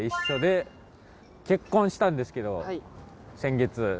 結婚したんですけど先月。